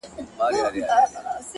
• د ژوندون ساه او مسيحا وړي څوك ـ